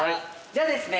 じゃあですね